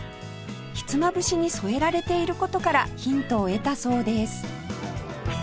ひつまぶしに添えられている事からヒントを得たそうです